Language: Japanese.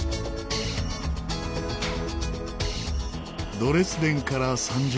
ドレスデンから３０キロ。